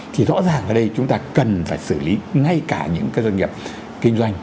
thì rõ ràng ở đây chúng ta cần phải xử lý ngay cả những cái doanh nghiệp kinh doanh